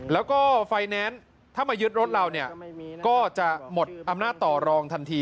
แล้วก็ไฟแนนซ์ถ้ามายึดรถเราเนี่ยก็จะหมดอำนาจต่อรองทันที